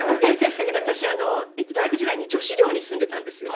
私、大学時代に女子寮に住んでいたんですよ。